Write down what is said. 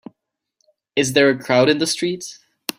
Is there a crowd in the street?